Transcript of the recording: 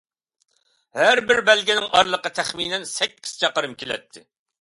ھەر بىر بەلگىنىڭ ئارىلىقى تەخمىنەن سەككىز چاقىرىم كېلەتتى.